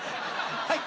はい！